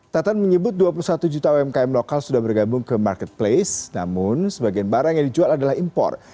teten menyebut dua puluh satu juta umkm lokal sudah bergabung ke marketplace namun sebagian barang yang dijual adalah impor